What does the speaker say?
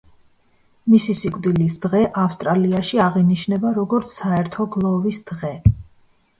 მისი სიკვდილის დღე ავსტრალიაში აღინიშნება როგორც საერთო გლოვის დღე.